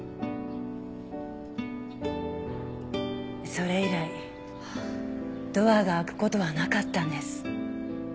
それ以来ドアが開く事はなかったんです。